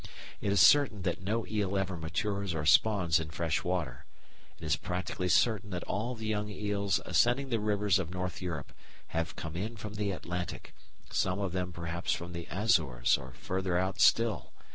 It is certain that no eel ever matures or spawns in fresh water. It is practically certain that all the young eels ascending the rivers of North Europe have come in from the Atlantic, some of them perhaps from the Azores or further out still.